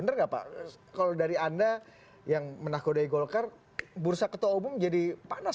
pernikahanarna juga akan mendatangkan perubatan yang rendah